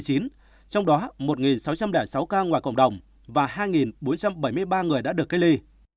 trong đó một sáu trăm linh sáu ca ngoài cộng đồng và hai bốn trăm bảy mươi ba người đã được cách ly